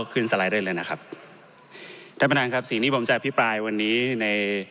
สไลด์ได้เลยนะครับท่านประธานครับสิ่งที่ผมจะอภิปรายวันนี้ใน